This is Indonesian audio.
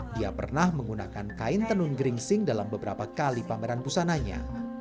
dia pernah menggunakan kain tenun geringsing dalam beberapa kali pameran busananya